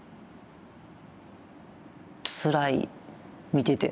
つらい見てて。